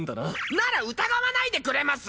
なら疑わないでくれます？